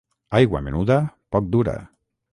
Aigua menuda, poc dura.